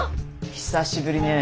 久しぶりね。